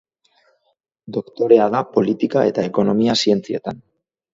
Doktorea da Politika eta Ekonomia Zientzietan.